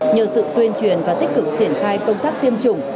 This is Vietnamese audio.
nhờ sự tuyên truyền và tích cực triển khai công tác tiêm chủng